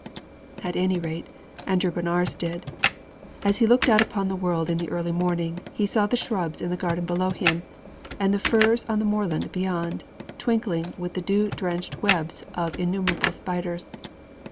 At any rate, Andrew Bonar's did. As he looked out upon the world in the early morning, he saw the shrubs in the garden below him, and the furze on the moorland beyond, twinkling with the dew drenched webs of innumerable spiders.